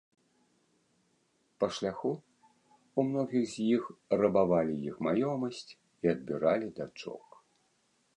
Па шляху ў многіх з іх рабавалі іх маёмасць і адбіралі дачок.